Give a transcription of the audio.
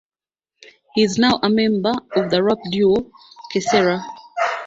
He's now a member of the rap-duo "KeSera".